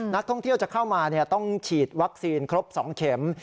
นักท่องเที่ยวจะเข้ามาต้องฉีดวัคซีนครบ๒เข็ม